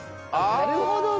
なるほどね。